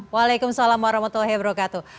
waalaikumsalam warahmatullahi wabarakatuh